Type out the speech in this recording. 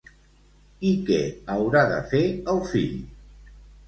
I què haurà de fer el fill?